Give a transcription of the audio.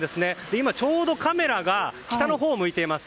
今ちょうどカメラが北のほうを向いています。